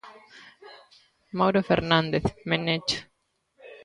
Mauro Fernández, Menecho.